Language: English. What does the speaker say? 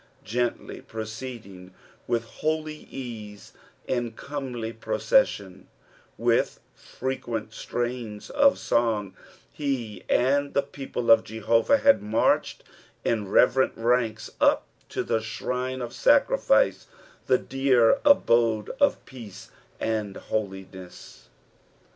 Gently pni cceding with holy ease, in comely procession, with frequent strains of song, he and the people of Jehovah had marched in reverent ranks up to the shrine of sacriUce, the dear abode of peace and holiness.